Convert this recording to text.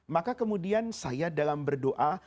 maka kemudian saya dalam berdoa